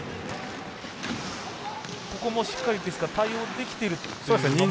ここもしっかり対応できているんですね。